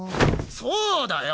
そうだよ！